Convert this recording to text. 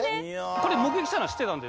これ目撃したのは知ってたんで。